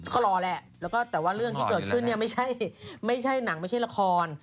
เขาหล่อแหละแต่ว่าเรื่องที่เกิดขึ้นเนี่ยไม่ใช่หนังไม่ใช่ละคร